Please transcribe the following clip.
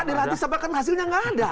di lantik sebab kan hasilnya nggak ada